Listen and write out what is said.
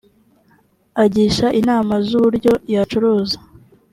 agisha inama z’uburyo yacuruza